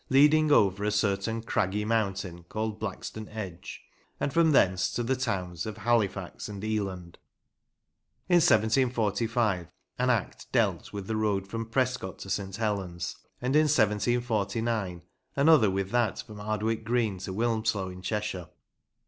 . leading over a certain craggy mountain called Blackstone Edge ... and from thence to the towns of Halifax and Ealand ..." In 1745 an Act dealt with the road from Prescot to St. Helens, and in 1749 another with that from Ardwick Green to Wilmslow, in Cheshire.